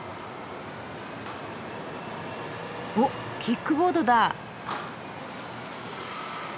おっキックボードだ。